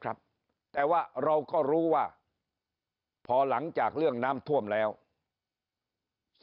ครับแต่ว่าเราก็รู้ว่าพอหลังจากเรื่องน้ำท่วมแล้ว